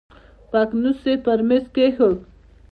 پتنوس يې پر مېز کېښود.